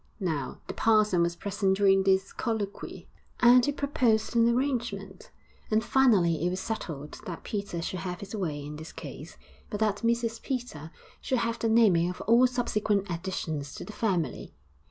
Now, the parson was present during this colloquy, and he proposed an arrangement; and finally it was settled that Peter should have his way in this case, but that Mrs Peter should have the naming of all subsequent additions to the family.